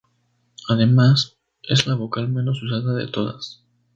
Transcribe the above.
Además, es la vocal menos usada de todas.